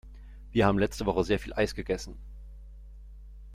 Wir haben letzte Woche sehr viel Eis gegessen.